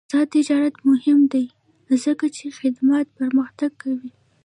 آزاد تجارت مهم دی ځکه چې خدمات پرمختګ کوي.